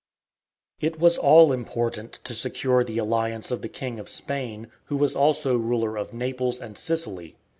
It was all important to secure the alliance of the King of Spain, who was also ruler of Naples and Sicily.